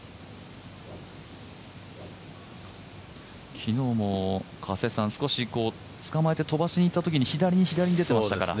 昨日も少し捕まえて飛ばしに出たときに左に左に出ていましたから。